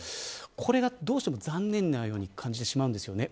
これがどうしても残念に感じてしまうんですよね。